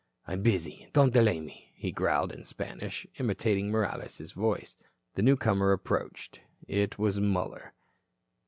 "I'm busy. Don't delay me," he growled in Spanish, imitating Morales' voice. The newcomer approached. It was Muller.